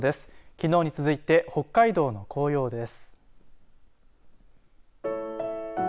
きのうに続いて北海道の紅葉です。